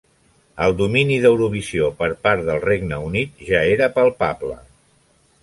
El domini d'Eurovisió per part del Regne Unit ja era palpable.